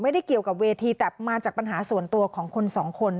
ไม่ได้เกี่ยวกับเวทีแต่มาจากปัญหาส่วนตัวของคนสองคน